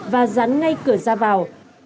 và dán ngay cửa ra vào